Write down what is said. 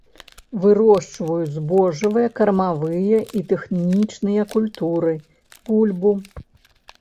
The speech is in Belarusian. Вырошчваюць збожжавыя, кармавыя і тэхнічныя культуры, бульбу.